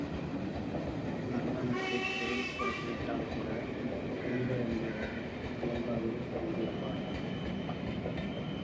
நல்ல நட்பைத் தேடிக் கொடுத்துவிட்டால்கூட, திருந்த வேண்டியவர் இயல்பாகவே திருந்திவிடுவர்.